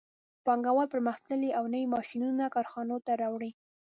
پانګوال پرمختللي او نوي ماشینونه کارخانو ته راوړي